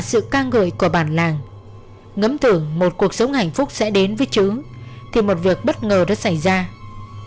sự ca ngợi của bản làng ngấm tưởng một cuộc sống hạnh phúc sẽ đến với chứ thì một việc bất ngờ đã xảy ra thì một việc bất ngờ đã xảy ra thì một việc bất ngờ đã xảy ra